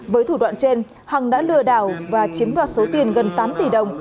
với thủ đoạn trên hằng đã lừa đảo và chiếm đoạt số tiền gần tám tỷ đồng